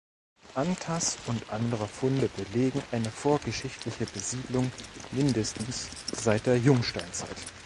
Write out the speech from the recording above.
Antas und andere Funde belegen eine vorgeschichtliche Besiedlung mindestens seit der Jungsteinzeit.